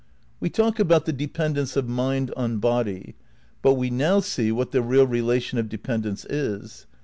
We talk about the dependence of mind on body ; but we now see what the r^al relation of dependence is.